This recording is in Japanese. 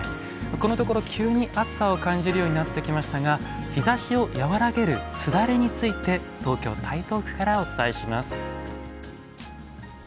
このところ、急に暑さを感じるようになってきましたが日ざしを和らげる簾について東京・台東区からお伝えします。